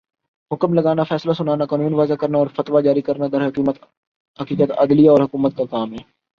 حکم لگانا، فیصلہ سنانا، قانون وضع کرنا اورفتویٰ جاری کرنا درحقیقت، عدلیہ اور حکومت کا کام ہے